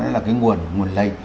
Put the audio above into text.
nó là cái nguồn lây